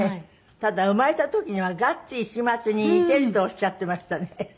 ただ生まれた時には「ガッツ石松に似てる」とおっしゃってましたね。